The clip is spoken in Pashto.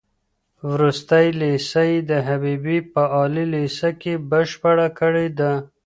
وروستۍ ليسه يې د حبيبيې په عالي ليسه کې بشپړه کړې ده.